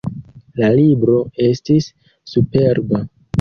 La libro estis superba.